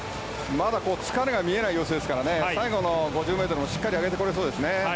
まだ疲れてないでしょうから最後の５０ｍもしっかり上げてこれそうですね。